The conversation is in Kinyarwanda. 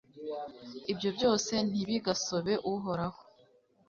Ibyo byose ntibigasobe Uhoraho